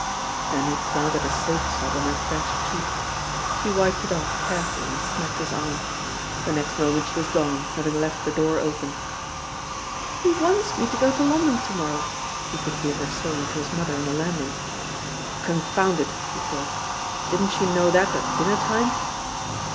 Then he planted a soap sud on her fresh cheek. She wiped it off carefully and smacked his arm. The next moment she was gone, having left the door open. "He wants me to go to London to morrow," he could hear her saying to his mother on the landing. "Confound it!" he thought. "Didn't she know that at dinner time?"